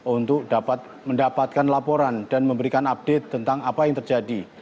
untuk dapat mendapatkan laporan dan memberikan update tentang apa yang terjadi